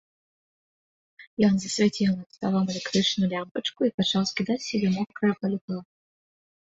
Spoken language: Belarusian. Ён засвяціў над сталом электрычную лямпачку і пачаў скідаць з сябе мокрае паліто.